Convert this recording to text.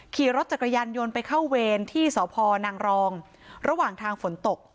ขี่รถจักรยานยนต์ไปเข้าเวรที่สพนางรองระหว่างทางฝนตก